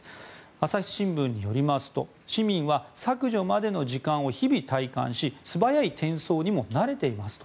朝日新聞によりますと市民は削除までの時間を日々体感し素早い転送にも慣れていますと。